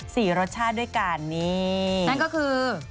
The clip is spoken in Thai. สี่รสชาติด้วยกันนี่นั่นก็คือ